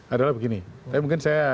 adalah begini tapi mungkin saya